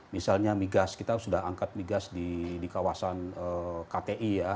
misalnya migas kita sudah angkat migas di kawasan kti ya